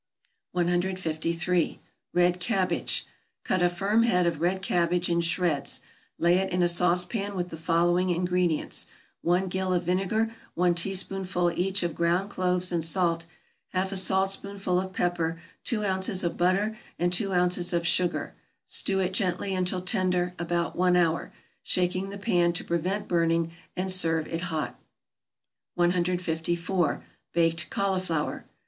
153. =Red Cabbage.= Cut a firm head of red cabbage in shreds, lay it in a sauce pan with the following ingredients; one gill of vinegar, one teaspoonful each of ground cloves and salt, half a saltspoonful of pepper, two ounces of butter, and two ounces of sugar; stew it gently until tender, about one hour, shaking the pan to prevent burning, and serve it hot. 154. =Baked Cauliflower.